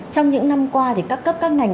trong những năm qua thì các cấp các ngành